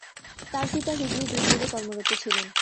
তার পিতা হুগলী জুট মিলে কর্মরত ছিলেন।